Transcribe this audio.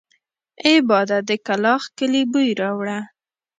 اې باده د کلاخ کلي بوی راوړه!